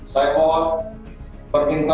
saya mohon berkita